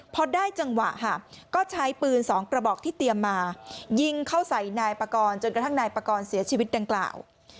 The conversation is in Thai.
พอได้จังหวะค่ะก็ใช้ปืน๒กระบอกที่เตรียมมายิงเข้าใส่นายปากรจนกระทั่งนายปากรเสียชีวิตดังกล่าว